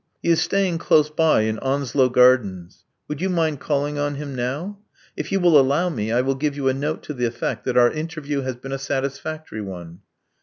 He is staying close by, in Onslow Gardens. Would you mind calling on him now? If you will allow me, I will give you a note to the effect that our interview has been a satisfactory one."